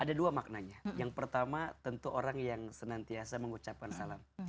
ada dua maknanya yang pertama tentu orang yang senantiasa mengucapkan salam